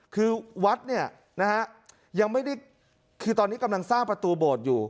คือวัดเนี่ยนะฮะยังไม่ได้คือตอนนี้กำลังสร้างประตูโบสถ์อยู่